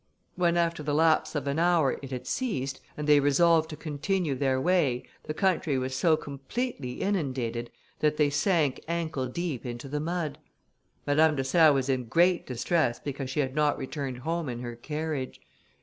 When, after the lapse of an hour, it had ceased, and they resolved to continue their way, the country was so completely inundated, that they sank ankle deep into the mud. Madame de Serres was in great distress because she had not returned home in her carriage.